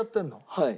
はい。